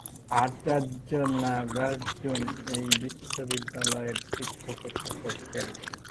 আচার্য নাগার্জুন এই বিশ্ববিদ্যালয়ে শিক্ষকতা করতেন।